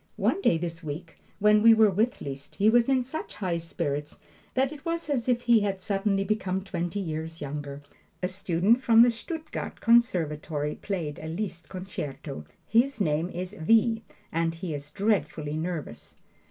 One day this week, when we were with Liszt, he was in such high spirits that it was as if he had suddenly become twenty years younger. A student from the Stuttgart conservatory played a Liszt concerto. His name is V., and he is dreadfully nervous.